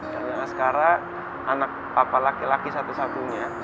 dan askara anak papa laki laki satu satunya